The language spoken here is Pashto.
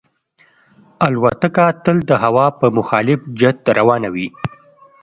الوتکه تل د هوا په مخالف جهت روانه وي.